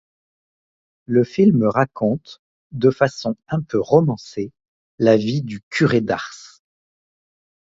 Le film raconte, de façon un peu romancée, la vie du Curé d'Ars.